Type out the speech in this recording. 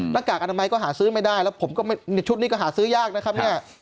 กากอนามัยก็หาซื้อไม่ได้แล้วผมก็ชุดนี้ก็หาซื้อยากนะครับเนี่ย